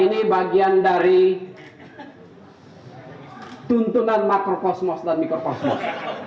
ini bagian dari tuntunan makrokosmos dan mikrokosmos